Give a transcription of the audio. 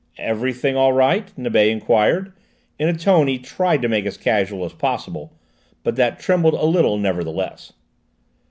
"Everything all right?" Nibet enquired, in a tone he tried to make as casual as possible, but that trembled a little nevertheless.